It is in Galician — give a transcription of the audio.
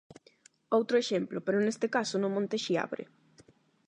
Outro exemplo, pero neste caso no monte Xiabre.